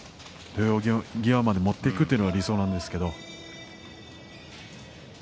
土俵際まで持っていくというのが理想なんですけれども。